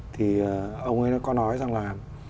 thì ông ấy có nói rằng là